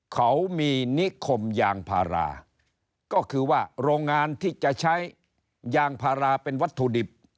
เขามีนิคมยางพาราก็คือว่าโรงงานที่จะใช้ยางพาราเป็นวัตถุดิบ